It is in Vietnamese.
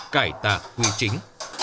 cải tạ quy chính